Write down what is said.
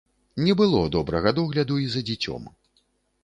Не было добрага догляду і за дзіцём.